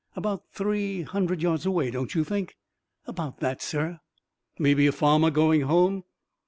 "About three hundred yards away, don't you think?" "About that, sir." "Maybe a farmer going home?"